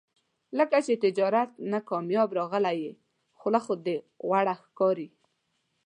لکه چې تجارت نه کامیاب راغلی یې، خوله خو دې غوړه ښکاري.